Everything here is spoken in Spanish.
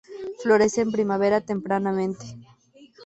Florece en primavera tempranamente.